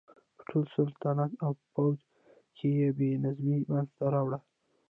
په ټول سلطنت او پوځ کې یې بې نظمي منځته راوړه.